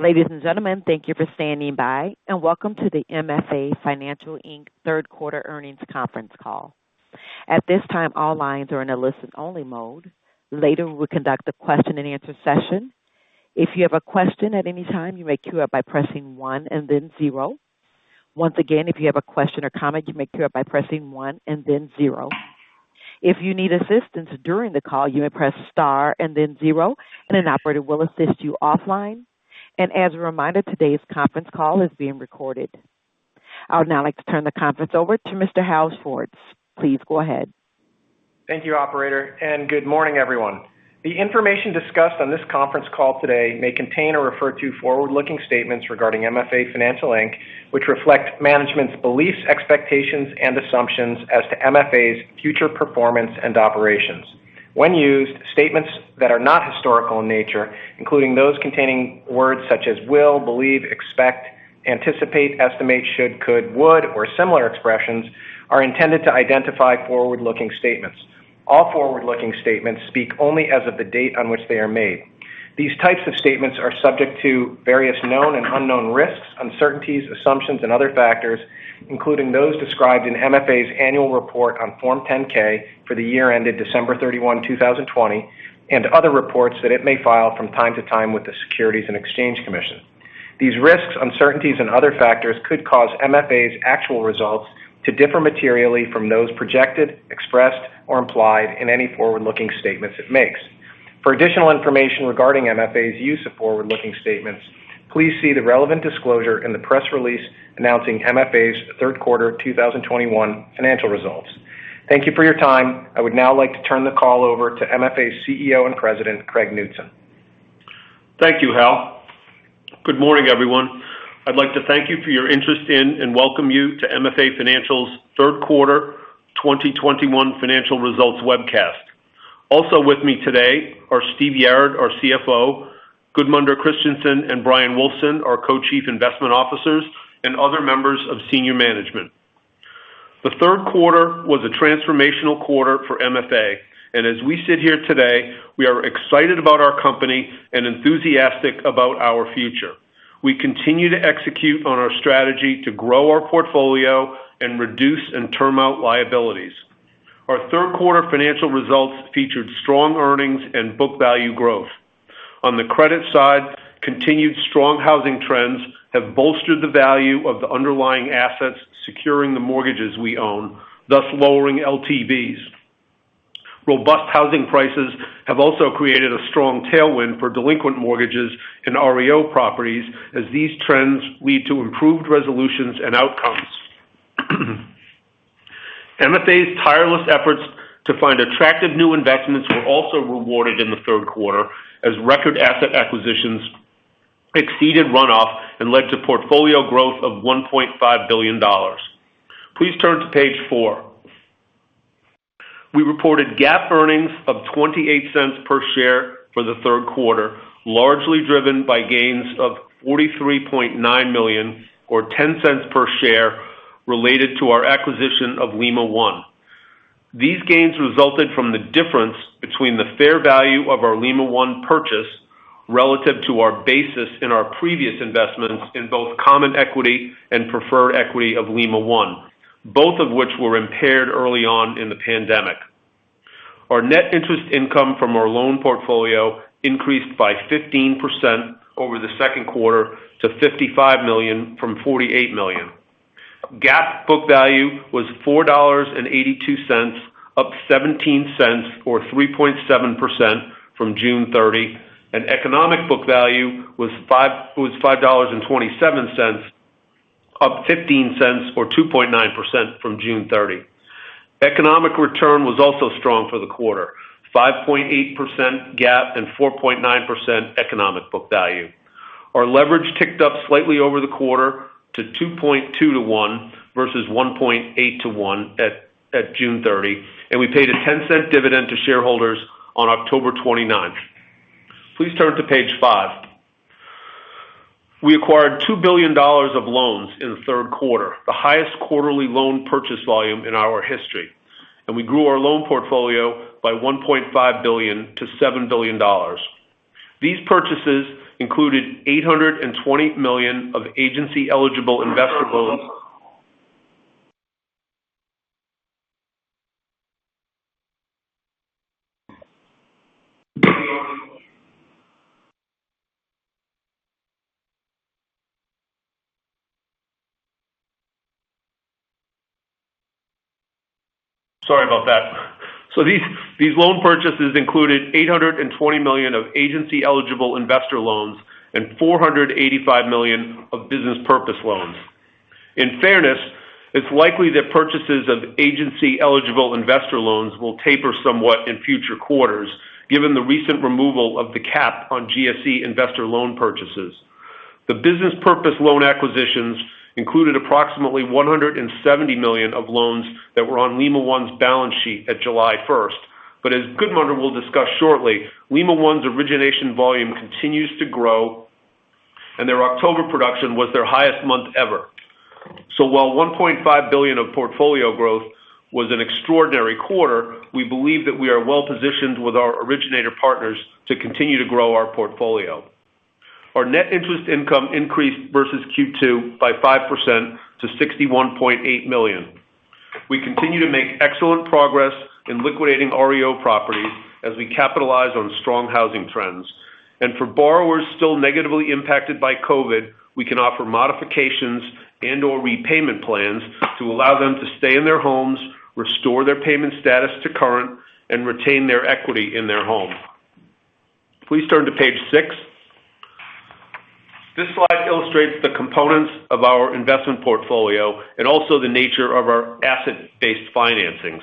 Ladies and gentlemen, thank you for standing by and Welcome To The MFA Financial, Inc. Third Quarter Earnings Conference Call. At this time, all lines are in a listen-only mode. Later, we'll conduct a question and answer session. If you have a question at any time, you may queue up by pressing one and then zero. Once again, if you have a question or comment, you may queue up by pressing one and then zero. If you need assistance during the call, you may press Star and then zero, and an operator will assist you offline. As a reminder, today's conference call is being recorded. I would now like to turn the conference over to Mr. Hal Schwartz. Please go ahead. Thank you, operator, and good morning, everyone. The information discussed on this conference call today may contain or refer to forward-looking statements regarding MFA Financial, Inc., which reflect management's beliefs, expectations, and assumptions as to MFA's future performance and operations. When used, statements that are not historical in nature, including those containing words such as will, believe, expect, anticipate, estimate, should, could, would, or similar expressions, are intended to identify forward-looking statements. All forward-looking statements speak only as of the date on which they are made. These types of statements are subject to various known and unknown risks, uncertainties, assumptions, and other factors, including those described in MFA's annual report on Form 10-K for the year ended December 31, 2020, and other reports that it may file from time to time with the Securities and Exchange Commission. These risks, uncertainties and other factors could cause MFA's actual results to differ materially from those projected, expressed or implied in any forward-looking statements it makes. For additional information regarding MFA's use of forward-looking statements, please see the relevant disclosure in the press release announcing MFA's third quarter 2021 financial results. Thank you for your time. I would now like to turn the call over to MFA's CEO and President, Craig Knutsen. Thank you, Hal. Good morning, everyone. I'd like to thank you for your interest in and welcome you to MFA Financial's third quarter 2021 financial results webcast. Also with me today are Steve Yarad, our CFO, Gudmundur Kristjansson and Bryan Wulfsohn, our Co-Chief Investment Officers and other members of senior management. The third quarter was a transformational quarter for MFA, and as we sit here today, we are excited about our company and enthusiastic about our future. We continue to execute on our strategy to grow our portfolio and reduce and term out liabilities. Our third quarter financial results featured strong earnings and book value growth. On the credit side, continued strong housing trends have bolstered the value of the underlying assets, securing the mortgages we own, thus lowering LTVs. Robust housing prices have also created a strong tailwind for delinquent mortgages and REO properties as these trends lead to improved resolutions and outcomes. MFA's tireless efforts to find attractive new investments were also rewarded in the third quarter as record asset acquisitions exceeded runoff and led to portfolio growth of $1.5 billion. Please turn to page 4. We reported GAAP earnings of $0.28 per share for the third quarter, largely driven by gains of $43.9 million or $0.10 per share related to our acquisition of Lima One. These gains resulted from the difference between the fair value of our Lima One purchase relative to our basis in our previous investments in both common equity and preferred equity of Lima One, both of which were impaired early on in the pandemic. Our net interest income from our loan portfolio increased by 15% over the second quarter to $55 million from $48 million. GAAP book value was $4.82, up $0.17, or 3.7% from June 30, and economic book value was $5.27, up $0.15, or 2.9% from June 30. Economic return was also strong for the quarter, 5.8% GAAP and 4.9% economic book value. Our leverage ticked up slightly over the quarter to 2.2-to-1 versus 1.8-to-1 at June 30, and we paid a $0.10 dividend to shareholders on October 29. Please turn to page 5. We acquired $2 billion of loans in the third quarter, the highest quarterly loan purchase volume in our history. We grew our loan portfolio by $1.5 billion to $7 billion. These purchases included $820 million of agency-eligible investor loans. Sorry about that. These loan purchases included $820 million of agency-eligible investor loans and $485 million of business purpose loans. In fairness, it's likely that purchases of agency-eligible investor loans will taper somewhat in future quarters, given the recent removal of the cap on GSE investor loan purchases. The business purpose loan acquisitions included approximately $170 million of loans that were on Lima One's balance sheet at July first. As Gudmundur will discuss shortly, Lima One's origination volume continues to grow, and their October production was their highest month ever. While $1.5 billion of portfolio growth was an extraordinary quarter, we believe that we are well positioned with our originator partners to continue to grow our portfolio. Our net interest income increased versus Q2 by 5% to $61.8 million. We continue to make excellent progress in liquidating REO properties as we capitalize on strong housing trends. For borrowers still negatively impacted by COVID, we can offer modifications and or repayment plans to allow them to stay in their homes, restore their payment status to current, and retain their equity in their home. Please turn to page 6. This slide illustrates the components of our investment portfolio and also the nature of our asset-based financings.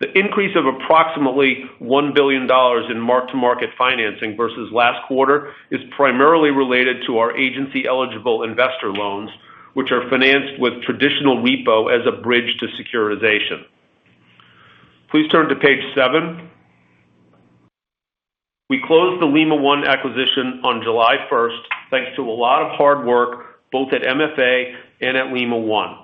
The increase of approximately $1 billion in mark-to-market financing versus last quarter is primarily related to our agency eligible investor loans, which are financed with traditional repo as a bridge to securitization. Please turn to page 7. We closed the Lima One acquisition on July 1, thanks to a lot of hard work both at MFA and at Lima One.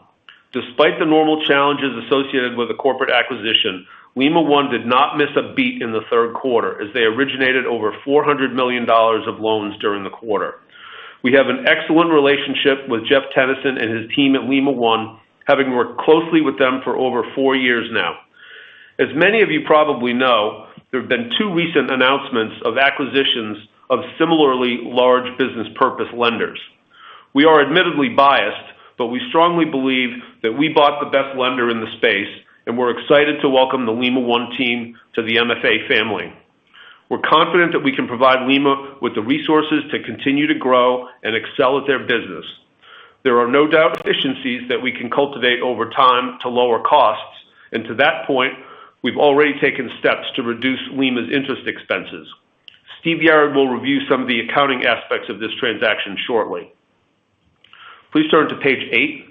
Despite the normal challenges associated with the corporate acquisition, Lima One did not miss a beat in the third quarter as they originated over $400 million of loans during the quarter. We have an excellent relationship with Jeff Tennyson and his team at Lima One, having worked closely with them for over 4 years now. As many of you probably know, there have been 2 recent announcements of acquisitions of similarly large business purpose lenders. We are admittedly biased, but we strongly believe that we bought the best lender in the space, and we're excited to welcome the Lima One team to the MFA family. We're confident that we can provide Lima with the resources to continue to grow and excel at their business. There are no doubt efficiencies that we can cultivate over time to lower costs, and to that point, we've already taken steps to reduce Lima's interest expenses. Steve Yarad will review some of the accounting aspects of this transaction shortly. Please turn to page 8.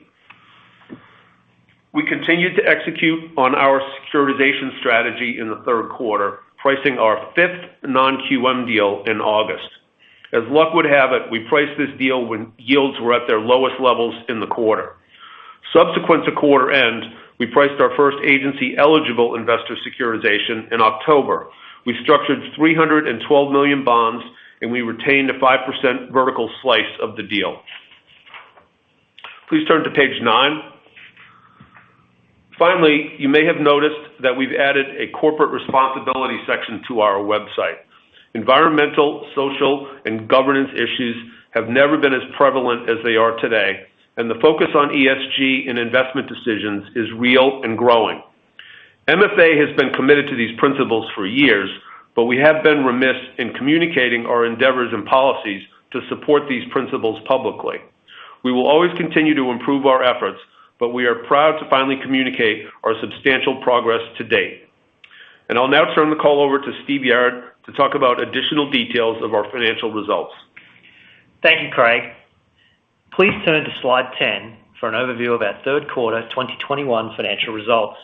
We continued to execute on our securitization strategy in the third quarter, pricing our fifth non-QM deal in August. As luck would have it, we priced this deal when yields were at their lowest levels in the quarter. Subsequent to quarter end, we priced our first agency eligible investor securitization in October. We structured $312 million bonds, and we retained a 5% vertical slice of the deal. Please turn to page 9. Finally, you may have noticed that we've added a corporate responsibility section to our website. Environmental, social, and governance issues have never been as prevalent as they are today, and the focus on ESG in investment decisions is real and growing. MFA has been committed to these principles for years, but we have been remiss in communicating our endeavors and policies to support these principles publicly. We will always continue to improve our efforts, but we are proud to finally communicate our substantial progress to date. I'll now turn the call over to Steve Yarad to talk about additional details of our financial results. Thank you, Craig. Please turn to slide 10 for an overview of our Q3 2021 financial results.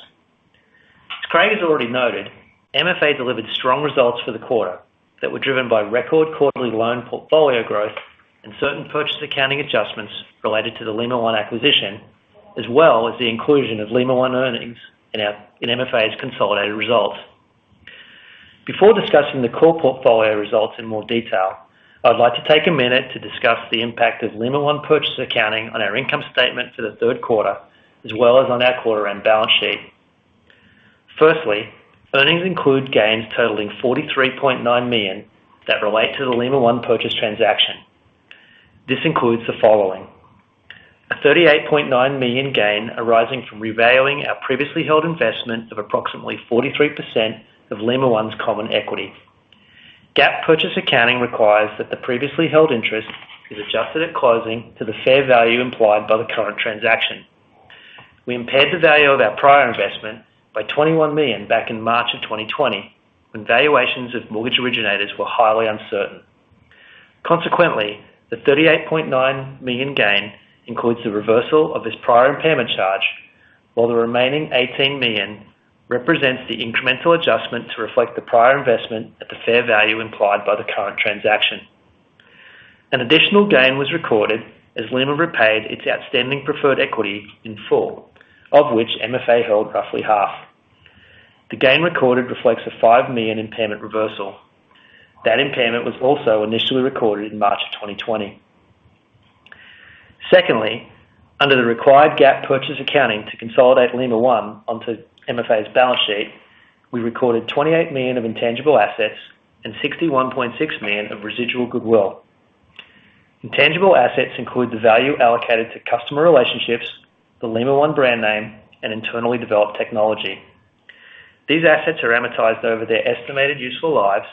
As Craig has already noted, MFA delivered strong results for the quarter that were driven by record quarterly loan portfolio growth and certain purchase accounting adjustments related to the Lima One acquisition, as well as the inclusion of Lima One earnings in MFA's consolidated results. Before discussing the core portfolio results in more detail, I'd like to take a minute to discuss the impact of Lima One purchase accounting on our income statement for the third quarter, as well as on our quarter end balance sheet. First, earnings include gains totaling $43.9 million that relate to the Lima One purchase transaction. This includes the following, a $38.9 million gain arising from revaluing our previously held investment of approximately 43% of Lima One's common equity. GAAP purchase accounting requires that the previously held interest is adjusted at closing to the fair value implied by the current transaction. We impaired the value of our prior investment by $21 million back in March 2020 when valuations of mortgage originators were highly uncertain. Consequently, the $38.9 million gain includes the reversal of this prior impairment charge, while the remaining $18 million represents the incremental adjustment to reflect the prior investment at the fair value implied by the current transaction. An additional gain was recorded as Lima repaid its outstanding preferred equity in full, of which MFA held roughly half. The gain recorded reflects a $5 million impairment reversal. That impairment was also initially recorded in March 2020. Secondly, under the required GAAP purchase accounting to consolidate Lima One onto MFA's balance sheet, we recorded $28 million of intangible assets and $61.6 million of residual goodwill. Intangible assets include the value allocated to customer relationships, the Lima One brand name, and internally developed technology. These assets are amortized over their estimated useful lives,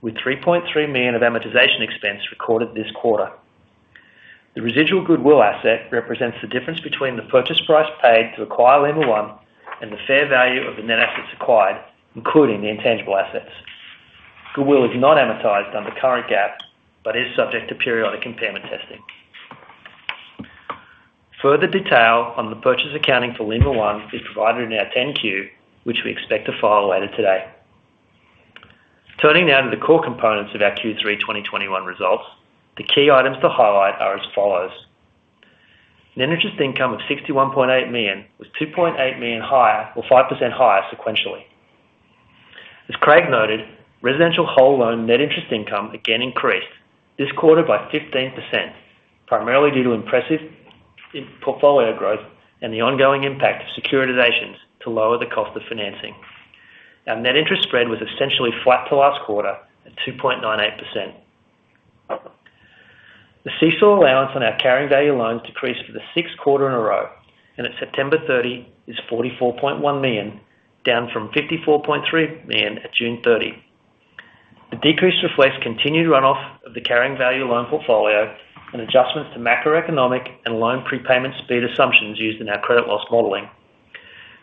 with $3.3 million of amortization expense recorded this quarter. The residual goodwill asset represents the difference between the purchase price paid to acquire Lima One and the fair value of the net assets acquired, including the intangible assets. Goodwill is not amortized under current GAAP, but is subject to periodic impairment testing. Further detail on the purchase accounting for Lima One is provided in our 10-Q, which we expect to file later today. Turning now to the core components of our Q3 2021 results. The key items to highlight are as follows: net interest income of $61.8 million, with $2.8 million higher or 5% higher sequentially. As Craig noted, residential whole loan net interest income again increased this quarter by 15%, primarily due to impressive portfolio growth and the ongoing impact of securitizations to lower the cost of financing. Our net interest spread was essentially flat to last quarter at 2.98%. The CECL allowance on our carrying value loans decreased for the sixth quarter in a row and at September 30 is $44.1 million, down from $54.3 million at June 30. The decrease reflects continued runoff of the carrying value loan portfolio and adjustments to macroeconomic and loan prepayment speed assumptions used in our credit loss modeling.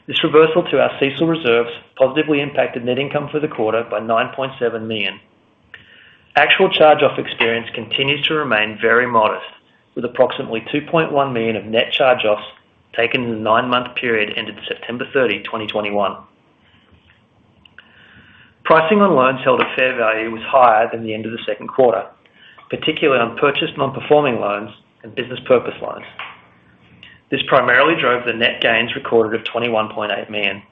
This reversal to our CECL reserves positively impacted net income for the quarter by $9.7 million. Actual charge-off experience continues to remain very modest, with approximately $2.1 million of net charge-offs taken in the nine-month period ended September 30, 2021. Pricing on loans held at fair value was higher than the end of the second quarter, particularly on purchased non-performing loans and business purpose loans. This primarily drove the net gains recorded of $21.8 million.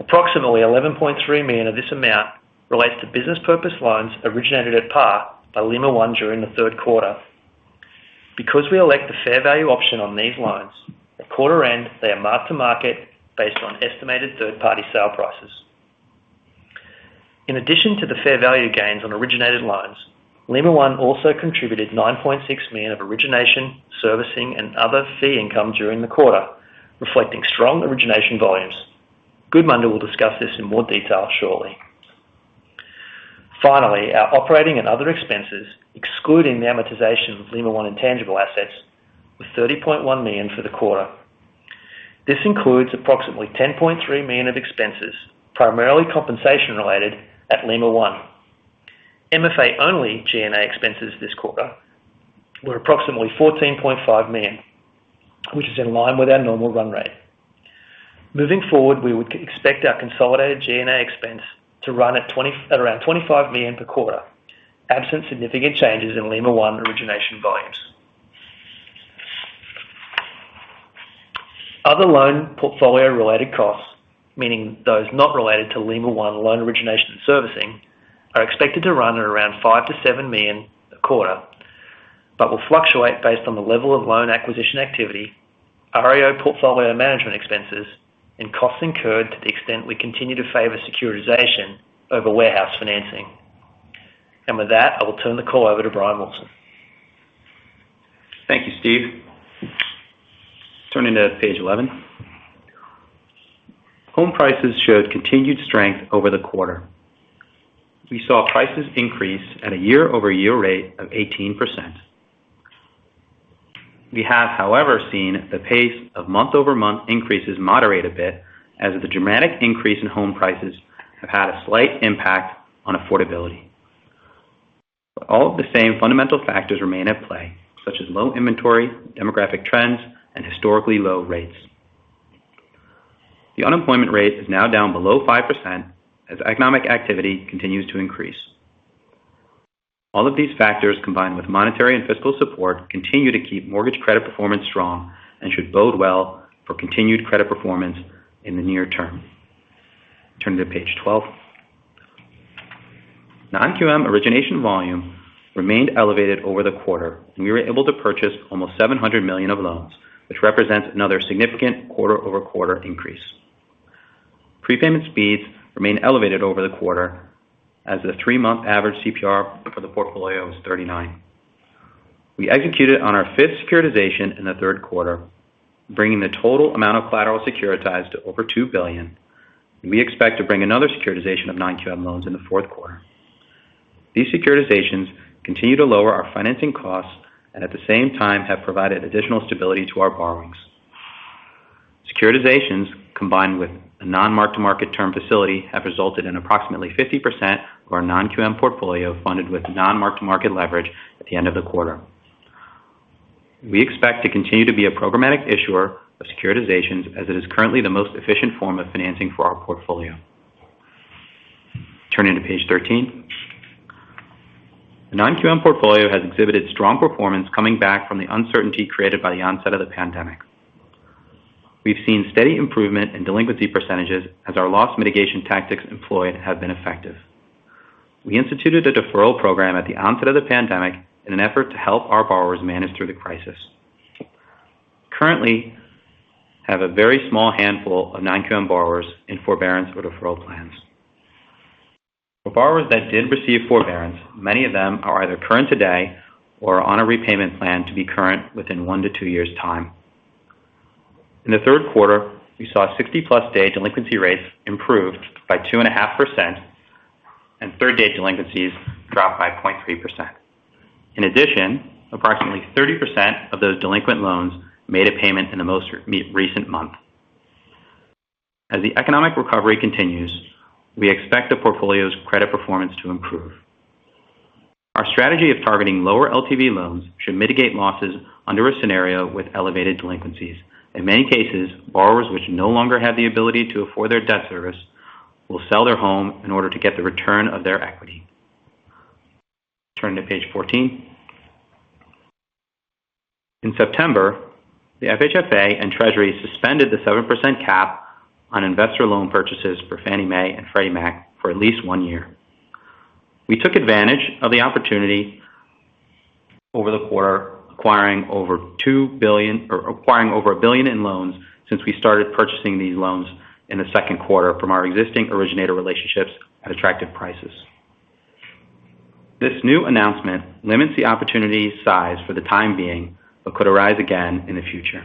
Approximately $11.3 million of this amount relates to business purpose loans originated at par by Lima One during the third quarter. Because we elect the fair value option on these loans, at quarter end, they are marked to market based on estimated third-party sale prices. In addition to the fair value gains on originated loans, Lima One also contributed $9.6 million of origination, servicing and other fee income during the quarter, reflecting strong origination volumes. Gudmundur will discuss this in more detail shortly. Finally, our operating and other expenses, excluding the amortization of Lima One intangible assets, was $30.1 million for the quarter. This includes approximately $10.3 million of expenses, primarily compensation related at Lima One. MFA only G&A expenses this quarter were approximately $14.5 million, which is in line with our normal run rate. Moving forward, we would expect our consolidated G&A expense to run at around $25 million per quarter, absent significant changes in Lima One origination volumes. Other loan portfolio related costs, meaning those not related to Lima One loan origination and servicing, are expected to run at around $5 million-$7 million a quarter, but will fluctuate based on the level of loan acquisition activity, REO portfolio management expenses, and costs incurred to the extent we continue to favor securitization over warehouse financing. With that, I will turn the call over to Bryan Wulfsohn. Thank you, Steve. Turning to page 11. Home prices showed continued strength over the quarter. We saw prices increase at a year-over-year rate of 18%. We have, however, seen the pace of month-over-month increases moderate a bit as the dramatic increase in home prices have had a slight impact on affordability. All the same fundamental factors remain at play, such as low inventory, demographic trends, and historically low rates. The unemployment rate is now down below 5% as economic activity continues to increase. All of these factors, combined with monetary and fiscal support, continue to keep mortgage credit performance strong and should bode well for continued credit performance in the near term. Turning to page 12. Non-QM origination volume remained elevated over the quarter, and we were able to purchase almost $700 million of loans, which represents another significant quarter-over-quarter increase. Prepayment speeds remained elevated over the quarter as the 3-month average CPR for the portfolio was 39%. We executed on our 5th securitization in the third quarter, bringing the total amount of collateral securitized to over $2 billion. We expect to bring another securitization of non-QM loans in the fourth quarter. These securitizations continue to lower our financing costs and at the same time have provided additional stability to our borrowings. Securitizations, combined with a non-mark-to-market term facility, have resulted in approximately 50% of our non-QM portfolio funded with non-mark-to-market leverage at the end of the quarter. We expect to continue to be a programmatic issuer of securitizations as it is currently the most efficient form of financing for our portfolio. Turning to page 13. The non-QM portfolio has exhibited strong performance coming back from the uncertainty created by the onset of the pandemic. We've seen steady improvement in delinquency percentages as our loss mitigation tactics employed have been effective. We instituted a deferral program at the onset of the pandemic in an effort to help our borrowers manage through the crisis. We currently have a very small handful of non-QM borrowers in forbearance or deferral plans. For borrowers that did receive forbearance, many of them are either current today or on a repayment plan to be current within 1-2 years' time. In the third quarter, we saw 60+ day delinquency rates improved by 2.5% and 30-day delinquencies dropped by 0.3%. In addition, approximately 30% of those delinquent loans made a payment in the most recent month. As the economic recovery continues, we expect the portfolio's credit performance to improve. Our strategy of targeting lower LTV loans should mitigate losses under a scenario with elevated delinquencies. In many cases, borrowers which no longer have the ability to afford their debt service will sell their home in order to get the return of their equity. Turn to page 14. In September, the FHFA and Treasury suspended the 7% cap on investor loan purchases for Fannie Mae and Freddie Mac for at least one year. We took advantage of the opportunity over the quarter, acquiring over $1 billion in loans since we started purchasing these loans in the second quarter from our existing originator relationships at attractive prices. This new announcement limits the opportunity size for the time being, but could arise again in the future.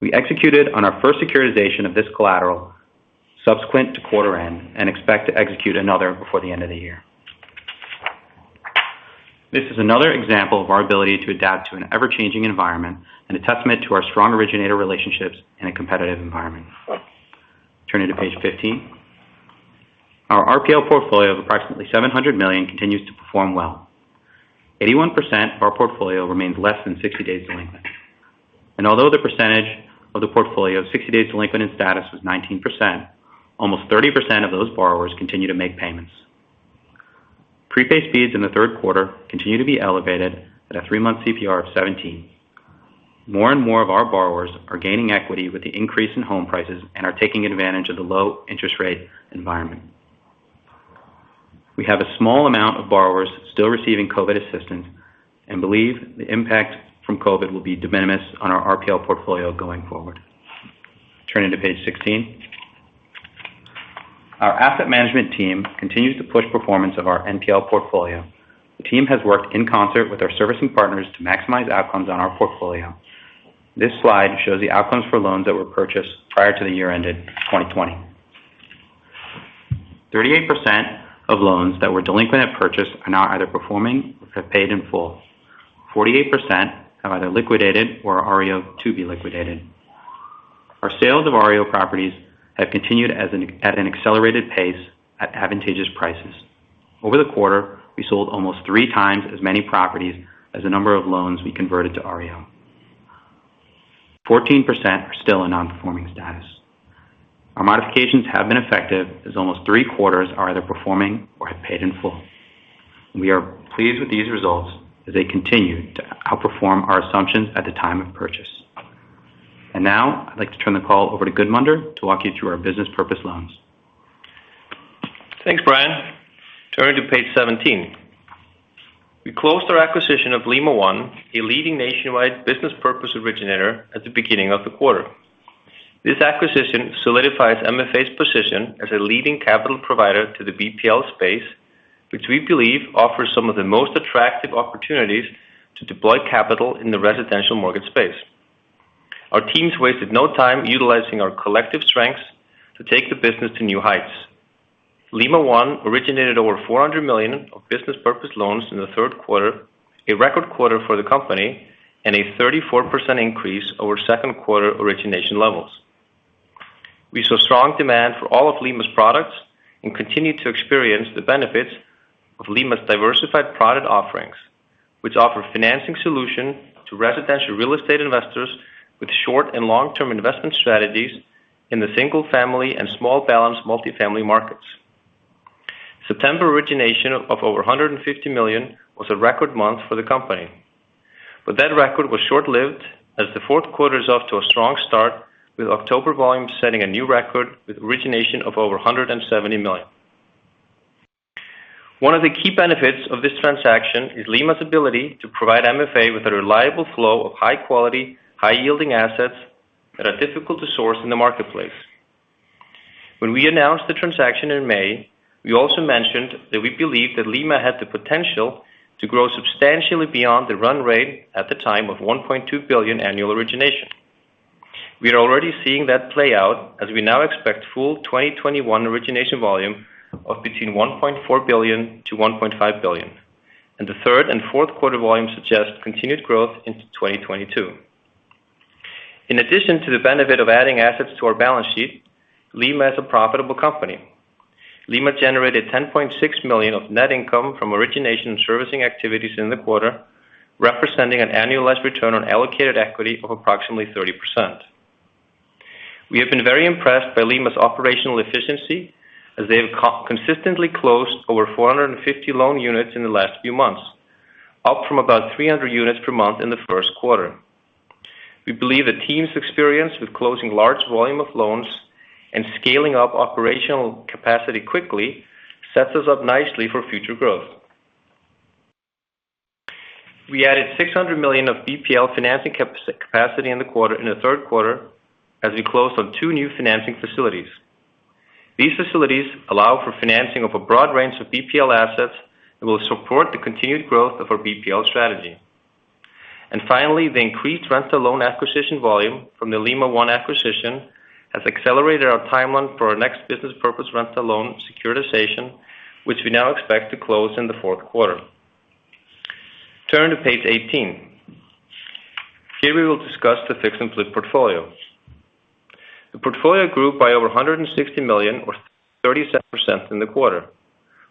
We executed on our first securitization of this collateral subsequent to quarter end and expect to execute another before the end of the year. This is another example of our ability to adapt to an ever-changing environment and a testament to our strong originator relationships in a competitive environment. Turn to page 15. Our RPL portfolio of approximately $700 million continues to perform well. 81% of our portfolio remains less than 60 days delinquent. Although the percentage of the portfolio 60 days delinquent in status was 19%, almost 30% of those borrowers continue to make payments. Prepay speeds in the third quarter continue to be elevated at a three-month CPR of 17. More and more of our borrowers are gaining equity with the increase in home prices and are taking advantage of the low interest rate environment. We have a small amount of borrowers still receiving COVID assistance and believe the impact from COVID will be de minimis on our RPL portfolio going forward. Turn to page 16. Our asset management team continues to push performance of our NPL portfolio. The team has worked in concert with our servicing partners to maximize outcomes on our portfolio. This slide shows the outcomes for loans that were purchased prior to the year ended 2020. 38% of loans that were delinquent at purchase are now either performing or have paid in full. 48% have either liquidated or are REO to be liquidated. Our sales of REO properties have continued at an accelerated pace at advantageous prices. Over the quarter, we sold almost 3 times as many properties as the number of loans we converted to REO. 14% are still in non-performing status. Our modifications have been effective as almost three-quarters are either performing or have paid in full. We are pleased with these results as they continue to outperform our assumptions at the time of purchase. Now I'd like to turn the call over to Gudmundur to walk you through our business purpose loans. Thanks, Brian. Turn to page 17. We closed our acquisition of Lima One, a leading nationwide business purpose originator, at the beginning of the quarter. This acquisition solidifies MFA's position as a leading capital provider to the BPL space, which we believe offers some of the most attractive opportunities to deploy capital in the residential mortgage space. Our teams wasted no time utilizing our collective strengths to take the business to new heights. Lima One originated over $400 million of business purpose loans in the third quarter, a record quarter for the company, and a 34% increase over second quarter origination levels. We saw strong demand for all of Lima's products and continued to experience the benefits of Lima's diversified product offerings, which offer financing solution to residential real estate investors with short and long-term investment strategies in the single-family and small balance multifamily markets. September origination of over $150 million was a record month for the company, but that record was short-lived as the fourth quarter is off to a strong start with October volume setting a new record with origination of over $170 million. One of the key benefits of this transaction is Lima's ability to provide MFA with a reliable flow of high quality, high yielding assets that are difficult to source in the marketplace. When we announced the transaction in May, we also mentioned that we believed that Lima had the potential to grow substantially beyond the run rate at the time of $1.2 billion annual origination. We are already seeing that play out as we now expect full 2021 origination volume of between $1.4 billion-$1.5 billion. The third and fourth quarter volumes suggest continued growth into 2022. In addition to the benefit of adding assets to our balance sheet, Lima is a profitable company. Lima generated $10.6 million of net income from origination and servicing activities in the quarter, representing an annualized return on allocated equity of approximately 30%. We have been very impressed by Lima's operational efficiency as they have consistently closed over 450 loan units in the last few months, up from about 300 units per month in the first quarter. We believe the team's experience with closing large volume of loans and scaling up operational capacity quickly sets us up nicely for future growth. We added $600 million of BPL financing capacity in the third quarter as we closed on two new financing facilities. These facilities allow for financing of a broad range of BPL assets and will support the continued growth of our BPL strategy. Finally, the increased rent to loan acquisition volume from the Lima One acquisition has accelerated our timeline for our next business purpose rent to loan securitization, which we now expect to close in the fourth quarter. Turn to page 18. Here we will discuss the fix and flip portfolio. The portfolio grew by over $160 million or 37% in the quarter.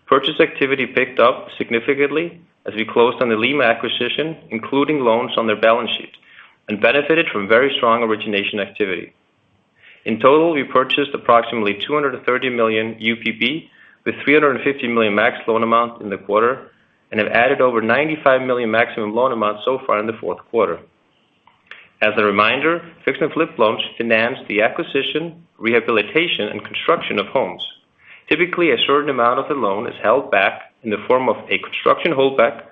Purchase activity picked up significantly as we closed on the Lima acquisition, including loans on their balance sheet, and benefited from very strong origination activity. In total, we purchased approximately 230 million UPB with $350 million max loan amount in the quarter and have added over $95 million maximum loan amount so far in the fourth quarter. As a reminder, fix and flip loans finance the acquisition, rehabilitation and construction of homes. Typically, a certain amount of the loan is held back in the form of a construction holdback,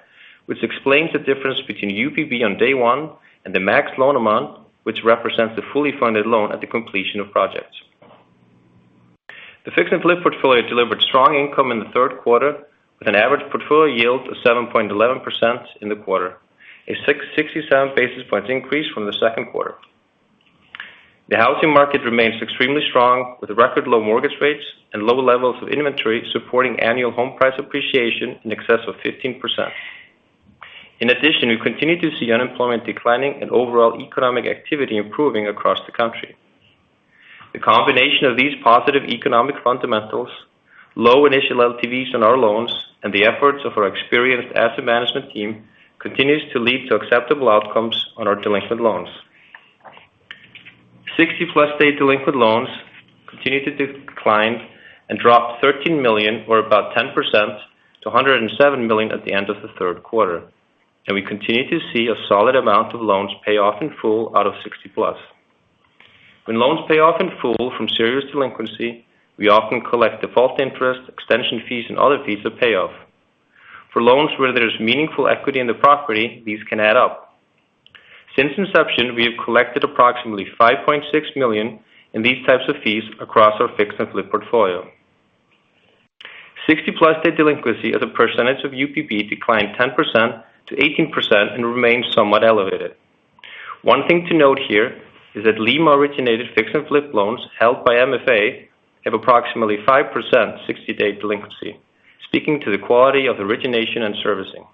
which explains the difference between UPB on day one and the max loan amount, which represents the fully funded loan at the completion of projects. The fix and flip portfolio delivered strong income in the third quarter, with an average portfolio yield of 7.11% in the quarter, a 67 basis points increase from the second quarter. The housing market remains extremely strong, with record low mortgage rates and low levels of inventory supporting annual home price appreciation in excess of 15%. In addition, we continue to see unemployment declining and overall economic activity improving across the country. The combination of these positive economic fundamentals, low initial LTVs on our loans, and the efforts of our experienced asset management team continues to lead to acceptable outcomes on our delinquent loans. 60-plus day delinquent loans continue to decline and dropped $13 million or about 10% to $107 million at the end of the third quarter. We continue to see a solid amount of loans pay off in full out of 60-plus. When loans pay off in full from serious delinquency, we often collect default interest, extension fees, and other fees at payoff. For loans where there's meaningful equity in the property, these can add up. Since inception, we have collected approximately $5.6 million in these types of fees across our fix and flip portfolio. 60-plus day delinquency as a percentage of UPB declined 10% to 18% and remains somewhat elevated. One thing to note here is that Lima originated fix and flip loans held by MFA have approximately 5% 60-day delinquency, speaking to the quality of origination and servicing.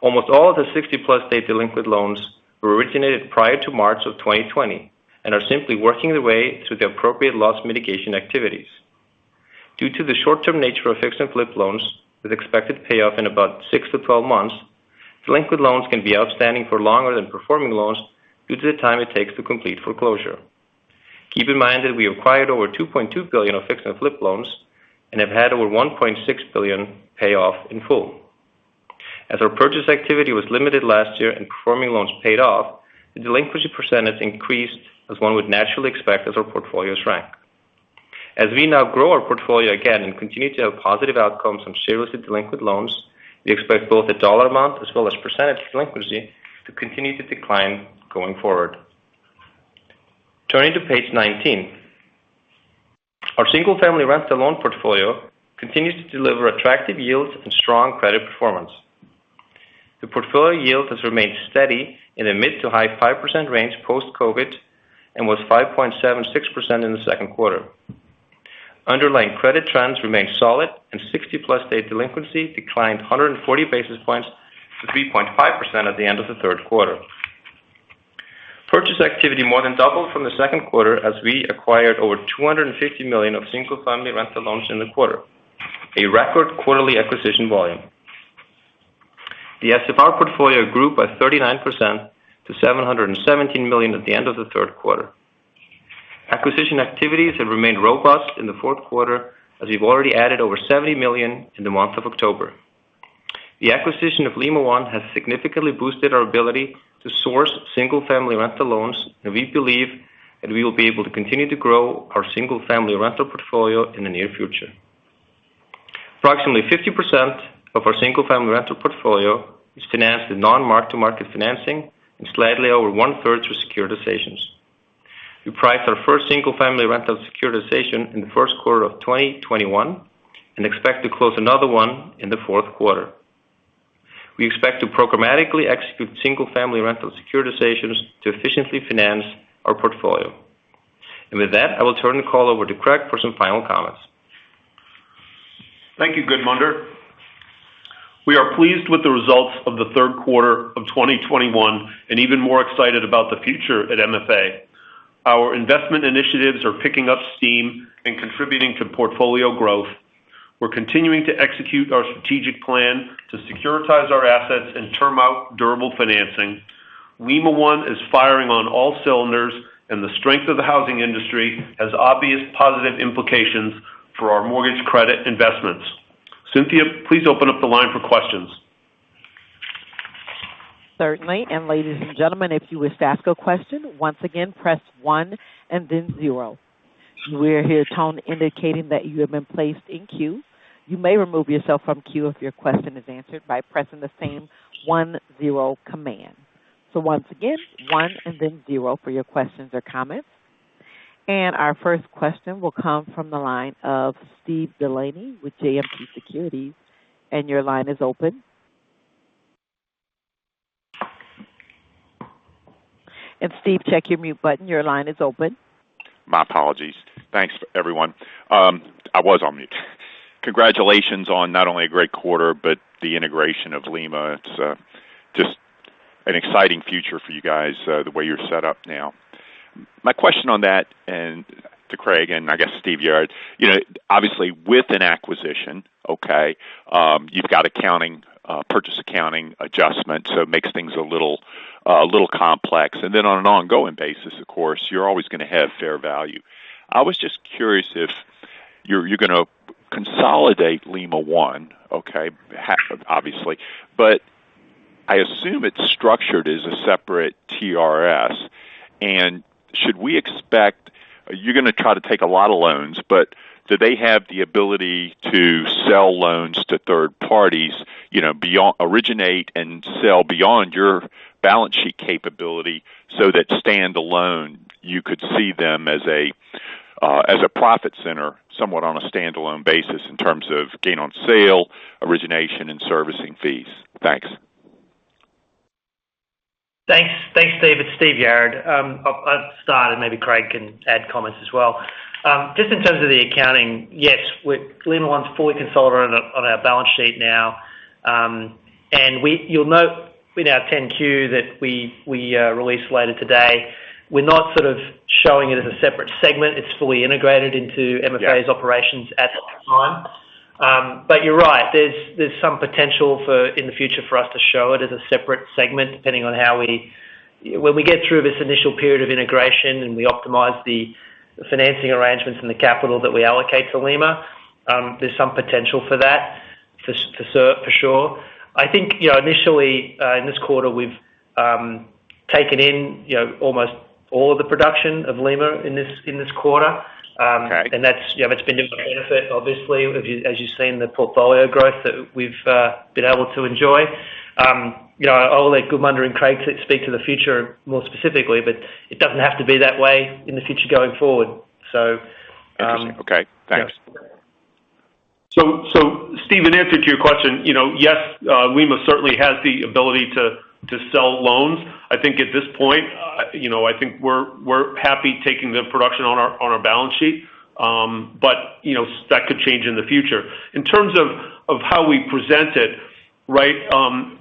Almost all of the 60+ day delinquent loans were originated prior to March 2020 and are simply working their way through the appropriate loss mitigation activities. Due to the short-term nature of fix and flip loans, with expected payoff in about 6-12 months, delinquent loans can be outstanding for longer than performing loans due to the time it takes to complete foreclosure. Keep in mind that we acquired over $2.2 billion of fix and flip loans and have had over $1.6 billion pay off in full. As our purchase activity was limited last year and performing loans paid off, the delinquency percentage increased as one would naturally expect as our portfolios shrank. As we now grow our portfolio again and continue to have positive outcomes from seriously delinquent loans, we expect both the dollar amount as well as percentage delinquency to continue to decline going forward. Turning to page 19. Our single-family rental loan portfolio continues to deliver attractive yields and strong credit performance. The portfolio yield has remained steady in the mid- to high-5% range post-COVID and was 5.76% in the second quarter. Underlying credit trends remain solid and 60+ day delinquency declined 140 basis points to 3.5% at the end of the third quarter. Purchase activity more than doubled from the second quarter as we acquired over $250 million of single-family rental loans in the quarter, a record quarterly acquisition volume. The SFR portfolio grew by 39% to $717 million at the end of the third quarter. Acquisition activities have remained robust in the fourth quarter as we've already added over $70 million in the month of October. The acquisition of Lima One has significantly boosted our ability to source single-family rental loans, and we believe that we will be able to continue to grow our single-family rental portfolio in the near future. Approximately 50% of our single-family rental portfolio is financed in non-mark-to-market financing and slightly over one-third through securitizations. We priced our first single-family rental securitization in the first quarter of 2021 and expect to close another one in the fourth quarter. We expect to programmatically execute single-family rental securitizations to efficiently finance our portfolio. With that, I will turn the call over to Craig for some final comments. Thank you, Gudmundur. We are pleased with the results of the third quarter of 2021 and even more excited about the future at MFA. Our investment initiatives are picking up steam and contributing to portfolio growth. We're continuing to execute our strategic plan to securitize our assets and term out durable financing. Lima One is firing on all cylinders, and the strength of the housing industry has obvious positive implications for our mortgage credit investments. Cynthia, please open up the line for questions. Certainly. Ladies and gentlemen, if you wish to ask a question, once again, press one and then zero. You will hear a tone indicating that you have been placed in queue. You may remove yourself from queue if your question is answered by pressing the same one-zero command. Once again, one and then zero for your questions or comments. Our first question will come from the line of Steve DeLaney with JMP Securities. Your line is open. Steve, check your mute button. Your line is open. My apologies. Thanks, everyone. I was on mute. Congratulations on not only a great quarter, but the integration of Lima One. It's just an exciting future for you guys, the way you're set up now. My question on that and to Craig and I guess Steve Yarad, you know, obviously with an acquisition, okay, you've got accounting, purchase accounting adjustments, so it makes things a little complex. Then on an ongoing basis, of course, you're always gonna have fair value. I was just curious if you're gonna consolidate Lima One, okay, half, obviously. I assume it's structured as a separate TRS. Should we expect you to try to take a lot of loans, but do they have the ability to sell loans to third parties, you know, beyond originate and sell beyond your balance sheet capability so that standalone, you could see them as a profit center, somewhat on a standalone basis in terms of gain on sale, origination, and servicing fees? Thanks. Thanks. Thanks, Steve. It's Steve Yarad. I'll start, and maybe Craig can add comments as well. Just in terms of the accounting, yes, Lima One's fully consolidated on our balance sheet now. You'll note in our 10-Q that we released later today, we're not sort of showing it as a separate segment. It's fully integrated into MFA's- Yeah. Operations at the time. You're right. There's some potential in the future for us to show it as a separate segment, depending on how we get through this initial period of integration, and we optimize the financing arrangements and the capital that we allocate to Lima. There's some potential for that, for sure. I think, you know, initially, in this quarter, we've taken in, you know, almost all of the production of Lima in this quarter. Right. That's, you know, that's been to our benefit, obviously, as you've seen the portfolio growth that we've been able to enjoy. You know, I'll let Gudmundur and Craig speak to the future more specifically, but it doesn't have to be that way in the future going forward. Interesting. Okay. Thanks. Yeah. Steve, in answer to your question, you know, yes, Lima certainly has the ability to sell loans. I think at this point, you know, I think we're happy taking the production on our balance sheet. But, you know, that could change in the future. In terms of how we present it, right,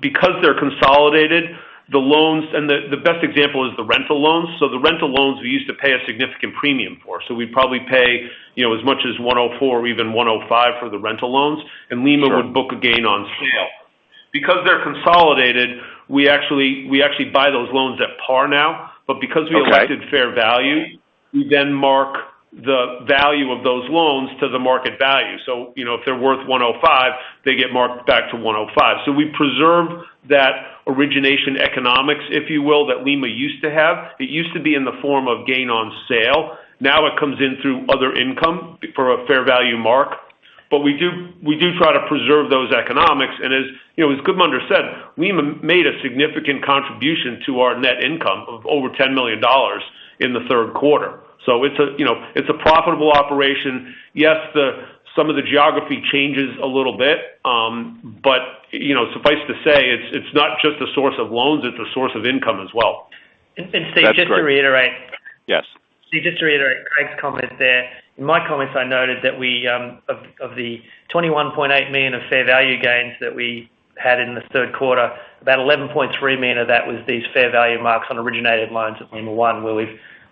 because they're consolidated, the loans and the best example is the rental loans. The rental loans, we used to pay a significant premium for. We probably pay, you know, as much as 104 or even 105 for the rental loans. Sure. Lima would book a gain on sale. Because they're consolidated, we actually buy those loans at par now. Okay. because we elected fair value, we then mark the value of those loans to the market value. So, you know, if they're worth 105, they get marked back to 105. So we preserve that origination economics, if you will, that Lima used to have. It used to be in the form of gain on sale. Now it comes in through other income for a fair value mark. But we do try to preserve those economics. As you know, as Gudmundur said, Lima made a significant contribution to our net income of over $10 million in the third quarter. So it's, you know, it's a profitable operation. Yes, some of the geography changes a little bit. But you know, suffice to say, it's not just a source of loans, it's a source of income as well. Steve That's great. Just to reiterate. Yes. Steve, just to reiterate Craig Knutson's comment there. In my comments, I noted that of the $21.8 million of fair value gains that we had in the third quarter, about $11.3 million of that was these fair value marks on originated loans at Lima One,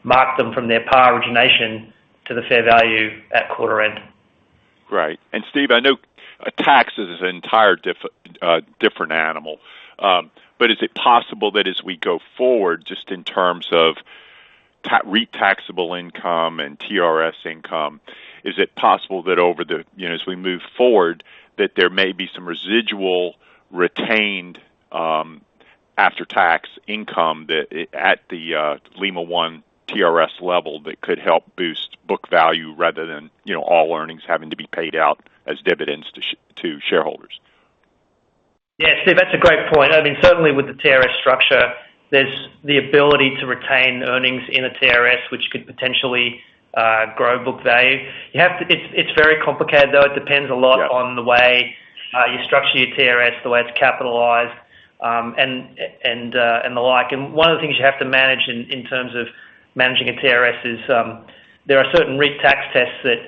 where we've marked them from their par origination to the fair value at quarter end. Right. Steve, I know, tax is an entire different animal. But is it possible that as we go forward, just in terms of REIT taxable income and TRS income, is it possible that over the, you know, as we move forward, that there may be some residual retained, after-tax income that at the, Lima One TRS level that could help boost book value rather than, you know, all earnings having to be paid out as dividends to shareholders? Yeah. Steve, that's a great point. I mean, certainly with the TRS structure, there's the ability to retain earnings in a TRS, which could potentially grow book value. It's very complicated, though. It depends a lot. Yeah. On the way you structure your TRS, the way it's capitalized, and the like. One of the things you have to manage in terms of managing a TRS is there are certain REIT tax tests that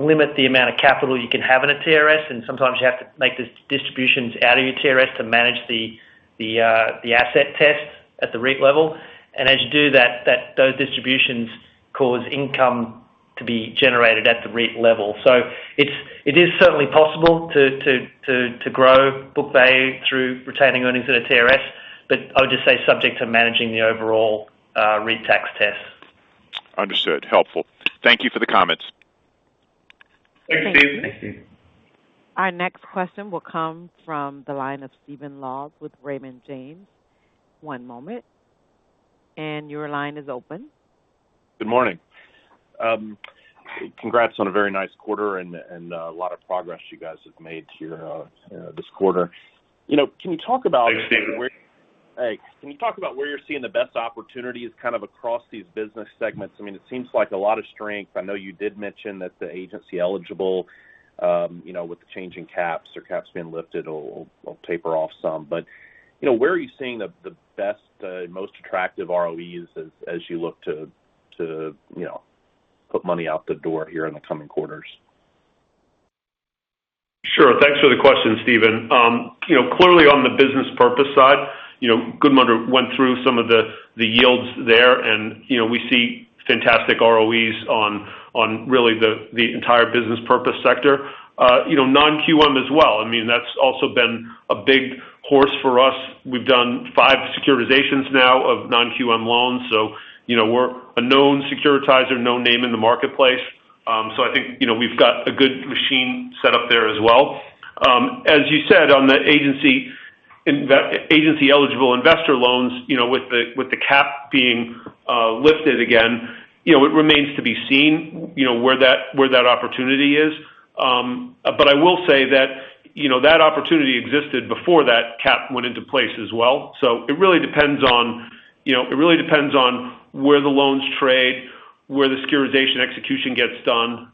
limit the amount of capital you can have in a TRS, and sometimes you have to make these distributions out of your TRS to manage the asset test at the REIT level. As you do that, those distributions cause income to be generated at the REIT level. It is certainly possible to grow book value through retaining earnings in a TRS, but I would just say subject to managing the overall REIT tax test. Understood. Helpful. Thank you for the comments. Thanks, Steve. Thanks, Steve. Our next question will come from the line of Steven Laws with Raymond James. One moment. Your line is open. Good morning. Congrats on a very nice quarter and a lot of progress you guys have made here this quarter. You know, can you talk about? Thanks, Steven. Hey. Can you talk about where you're seeing the best opportunities kind of across these business segments? I mean, it seems like a lot of strength. I know you did mention that the agency eligible, you know, with the change in caps or caps being lifted will taper off some. You know, where are you seeing the best, most attractive ROEs as you look to, you know, put money out the door here in the coming quarters? Sure. Thanks for the question, Steven. You know, clearly on the business purpose side, you know, Gudmundur went through some of the yields there and, you know, we see fantastic ROEs on really the entire business purpose sector. You know, non-QM as well. I mean, that's also been a big source for us. We've done five securitizations now of non-QM loans, so, you know, we're a known securitizer, known name in the marketplace. So I think, you know, we've got a good machine set up there as well. As you said on the agency eligible investor loans, you know, with the cap being lifted again, you know, it remains to be seen, you know, where that opportunity is. I will say that, you know, that opportunity existed before that cap went into place as well. It really depends on where the loans trade, where the securitization execution gets done.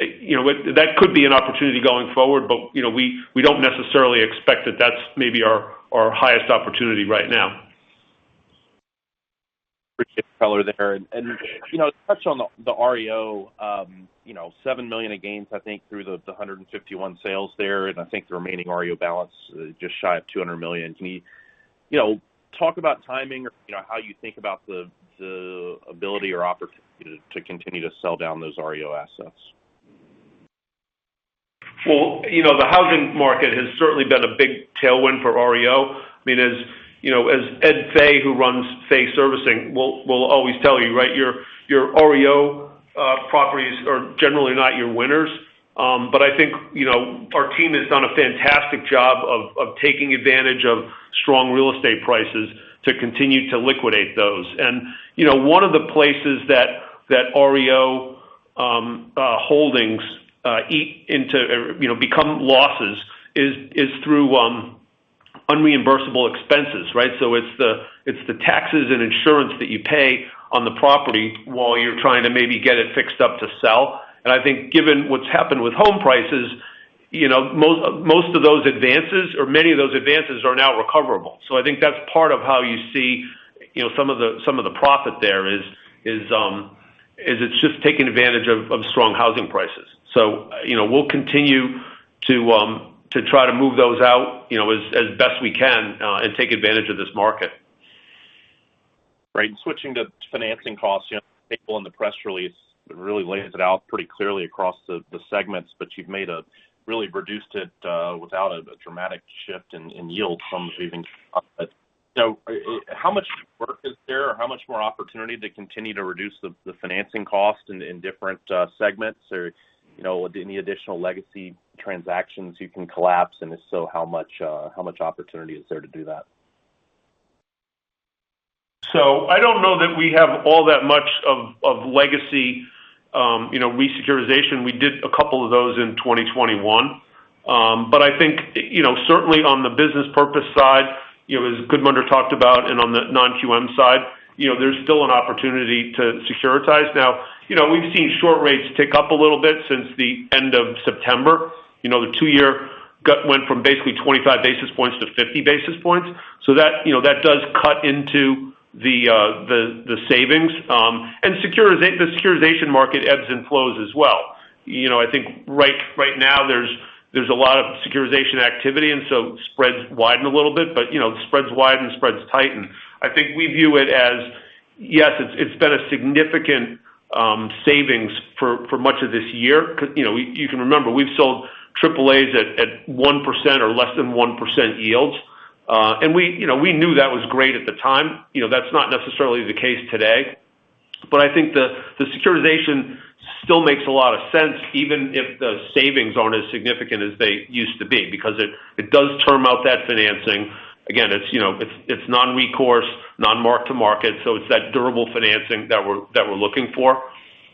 You know, that could be an opportunity going forward. You know, we don't necessarily expect that that's maybe our highest opportunity right now. There. You know, touch on the REO, you know, $7 million of gains, I think, through the 151 sales there, and I think the remaining REO balance just shy of $200 million. Can you know, talk about timing or, you know, how you think about the ability or opportunity to continue to sell down those REO assets? Well, you know, the housing market has certainly been a big tailwind for REO. I mean, as you know, as Ed Fay, who runs Fay Servicing will always tell you, right, your REO properties are generally not your winners. But I think, you know, our team has done a fantastic job of taking advantage of strong real estate prices to continue to liquidate those. You know, one of the places that REO holdings end up becoming losses is through unreimbursable expenses, right? It's the taxes and insurance that you pay on the property while you're trying to maybe get it fixed up to sell. I think given what's happened with home prices, you know, most of those advances or many of those advances are now recoverable. I think that's part of how you see, you know, some of the profit there is, it's just taking advantage of strong housing prices. You know, we'll continue to try to move those out, you know, as best we can, and take advantage of this market. Right. Switching to financing costs, you know, the press release really lays it out pretty clearly across the segments, but you've really reduced it without a dramatic shift in yield from saving costs. How much work is there or how much more opportunity to continue to reduce the financing cost in different segments or, you know, any additional legacy transactions you can collapse? If so, how much opportunity is there to do that? I don't know that we have all that much of legacy, you know, resecuritization. We did a couple of those in 2021. I think, you know, certainly on the business purpose side, you know, as Gudmundur talked about and on the non-QM side, you know, there's still an opportunity to securitize. Now, you know, we've seen short rates tick up a little bit since the end of September. You know, the two-year went from basically 25 basis points to 50 basis points. That, you know, that does cut into the savings. The securitization market ebbs and flows as well. You know, I think right now there's a lot of securitization activity, and so spreads widen a little bit. You know, spreads widen, spreads tighten. I think we view it as, yes, it's been a significant savings for much of this year. You know, you can remember we've sold AAAs at 1% or less than 1% yields. We knew that was great at the time. You know, that's not necessarily the case today. I think the securitization still makes a lot of sense, even if the savings aren't as significant as they used to be, because it does term out that financing. Again, it's non-recourse, non-mark to market. It's that durable financing that we're looking for.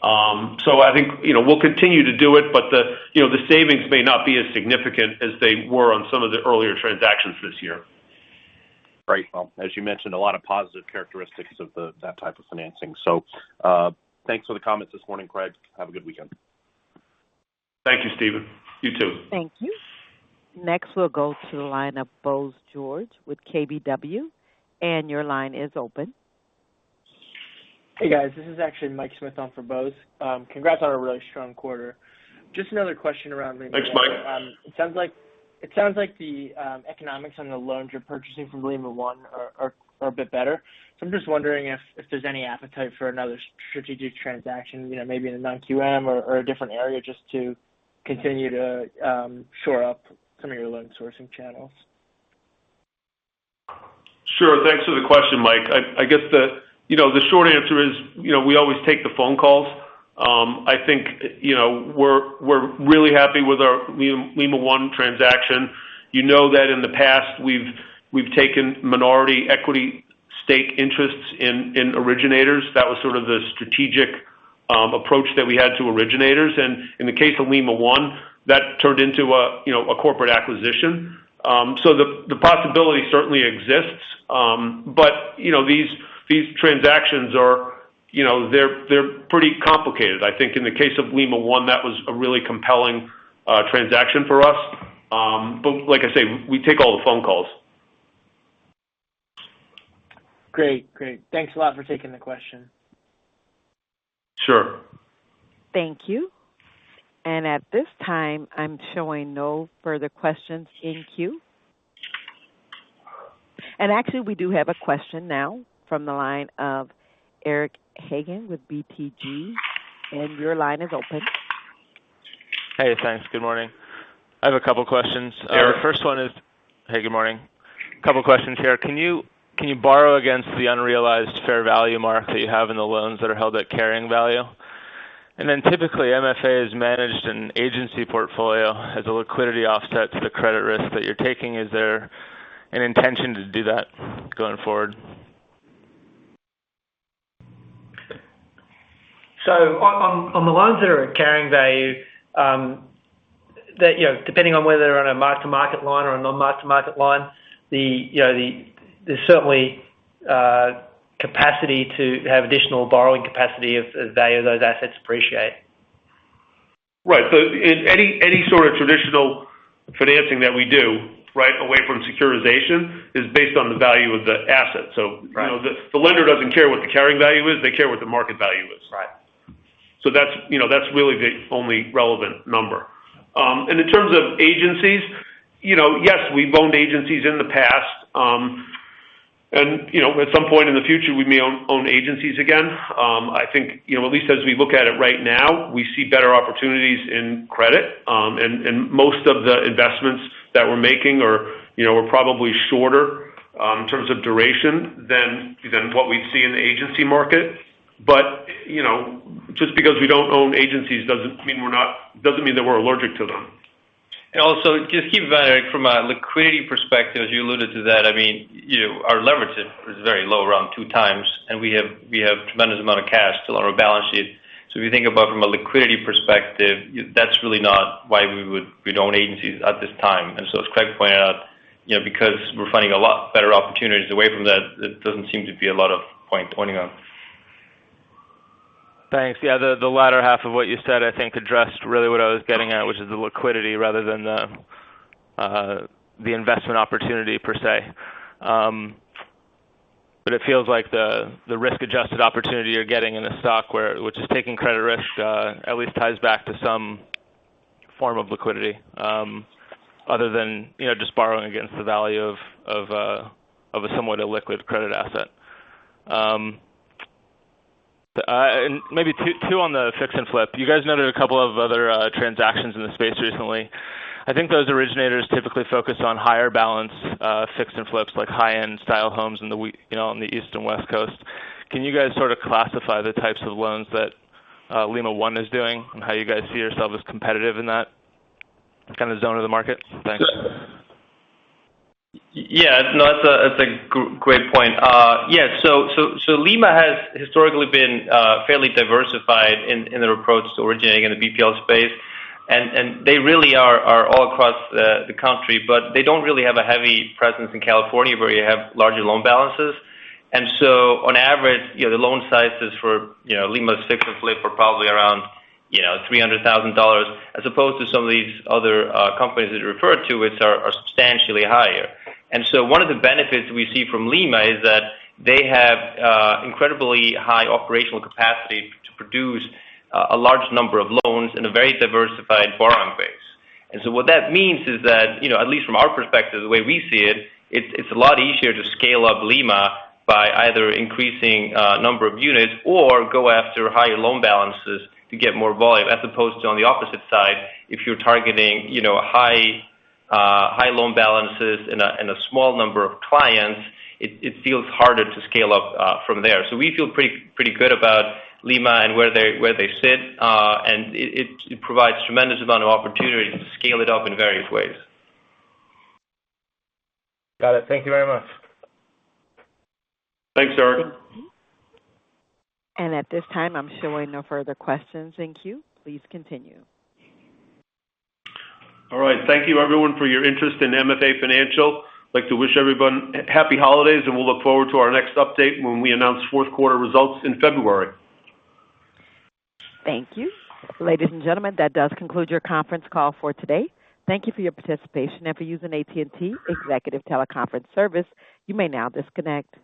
I think we'll continue to do it. The savings may not be as significant as they were on some of the earlier transactions this year. Right. Well, as you mentioned, a lot of positive characteristics of that type of financing. Thanks for the comments this morning, Craig. Have a good weekend. Thank you, Steven. You too. Thank you. Next, we'll go to the line of Bose George with KBW. Your line is open. Hey, guys. This is actually Mike Smyth on for Bose. Congrats on a really strong quarter. Just another question around Lima One. Thanks, Mike. It sounds like the economics on the loans you're purchasing from Lima One are a bit better. I'm just wondering if there's any appetite for another strategic transaction, you know, maybe in a non-QM or a different area just to continue to shore up some of your loan sourcing channels. Sure. Thanks for the question, Mike. I guess the short answer is, you know, we always take the phone calls. I think, you know, we're really happy with our Lima One transaction. You know that in the past we've taken minority equity stake interests in originators. That was sort of the strategic approach that we had to originators. In the case of Lima One, that turned into a corporate acquisition. The possibility certainly exists. But, you know, these transactions are, you know, they're pretty complicated. I think in the case of Lima One, that was a really compelling transaction for us. But like I say, we take all the phone calls. Great. Thanks a lot for taking the question. Sure. Thank you. At this time, I'm showing no further questions in queue. Actually, we do have a question now from the line of Eric Hagen with BTIG. Your line is open. Hey, thanks. Good morning. I have a couple questions. Sure. Hey, good morning. A couple questions here. Can you borrow against the unrealized fair value mark that you have in the loans that are held at carrying value? Typically, MFA is managed in agency portfolio as a liquidity offset to the credit risk that you're taking. Is there an intention to do that going forward? On the loans that are at carrying value, you know, depending on whether they're on a mark-to-market loan or a non-mark-to-market loan, you know, there's certainly capacity to have additional borrowing capacity as value of those assets appreciate. Right. Any sort of traditional financing that we do, right, away from securitization is based on the value of the asset. Right. You know, the lender doesn't care what the carrying value is. They care what the market value is. Right. That's really the only relevant number. In terms of agencies, yes, we've owned agencies in the past. At some point in the future, we may own agencies again. I think at least as we look at it right now, we see better opportunities in credit, and most of the investments that we're making are probably shorter in terms of duration than what we see in the agency market. Just because we don't own agencies doesn't mean that we're allergic to them. Also just keep in mind, Eric, from a liquidity perspective, as you alluded to that, I mean, you know, our leverage is very low, around 2x, and we have tremendous amount of cash still on our balance sheet. If you think about from a liquidity perspective, that's really not why we don't own agencies at this time. As Craig pointed out, you know, because we're finding a lot better opportunities away from that, it doesn't seem to be a lot of point owning them. Thanks. Yeah. The latter half of what you said, I think, addressed really what I was getting at, which is the liquidity rather than the investment opportunity per se. But it feels like the risk-adjusted opportunity you're getting in the stock, where which is taking credit risk, at least ties back to some form of liquidity, other than, you know, just borrowing against the value of a somewhat illiquid credit asset. And maybe two on the fix and flip. You guys noted a couple of other transactions in the space recently. I think those originators typically focus on higher balance fix and flips like high-end style homes in the, you know, on the East and West Coast. Can you guys sort of classify the types of loans that, Lima One is doing and how you guys see yourself as competitive in that kind of zone of the market? Thanks. Yeah. No, that's a great point. Yeah. Lima has historically been fairly diversified in their approach to originating in the BPL space. They really are all across the country, but they don't really have a heavy presence in California where you have larger loan balances. On average, you know, the loan sizes for, you know, Lima's fix and flip are probably around, you know, $300,000, as opposed to some of these other companies that you referred to, which are substantially higher. One of the benefits we see from Lima is that they have incredibly high operational capacity to produce a large number of loans in a very diversified borrowing base. What that means is that, you know, at least from our perspective, the way we see it's a lot easier to scale up Lima by either increasing number of units or go after higher loan balances to get more volume. As opposed to on the opposite side, if you're targeting, you know, high loan balances and a small number of clients, it feels harder to scale up from there. We feel pretty good about Lima and where they sit. And it provides tremendous amount of opportunities to scale it up in various ways. Got it. Thank you very much. Thanks, Eric. At this time, I'm showing no further questions in queue. Please continue. All right. Thank you everyone for your interest in MFA Financial. I'd like to wish everyone happy holidays, and we'll look forward to our next update when we announce fourth quarter results in February. Thank you. Ladies and gentlemen, that does conclude your conference call for today. Thank you for your participation and for using AT&T Executive Teleconference Service. You may now disconnect.